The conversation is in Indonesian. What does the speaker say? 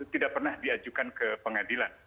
tidak pernah diajukan ke pengadilan